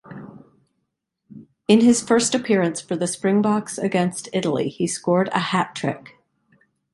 In his first appearance for the Springboks against Italy, he scored a hat-trick.